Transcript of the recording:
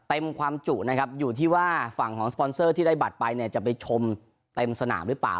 เต็มความจุนะครับอยู่ที่ว่าฝั่งของสปอนเซอร์ที่ได้บัตรไปเนี่ยจะไปชมเต็มสนามหรือเปล่า